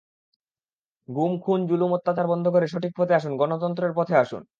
গুম, খুন, জুলুম, অত্যাচার বন্ধ করে সঠিক পথে আসুন, গণতন্ত্রের পথে আসুন।